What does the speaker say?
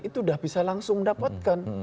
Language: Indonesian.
itu sudah bisa langsung mendapatkan